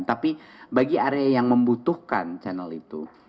tapi bagi area yang membutuhkan channel itu